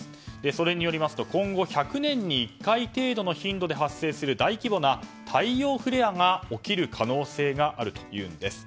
それによりますと、今後１００年に１回程度の頻度で発生する大規模な太陽フレアが起きる可能性があるというんです。